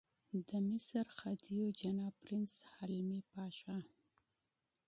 د مصر خدیو جناب پرنس حلمي پاشا.